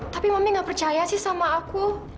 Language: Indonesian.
tapi mami gak percaya sih sama aku